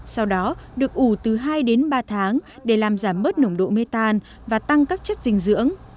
sau đó được ủ từ hai đến ba tháng để làm giảm bớt nồng độ metan và tăng các chất dinh dưỡng